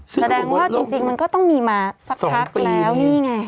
แสดงว่าจริงมันก็ต้องมีมาสักพักแล้วนี่ไง